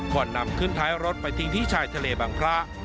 ก่อนนำขึ้นท้ายรถไปทิ้งที่ชายทะเลบังพระ